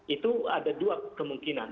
itu ada dua kemungkinan